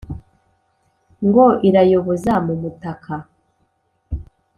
ngo irayoboza mu mutaka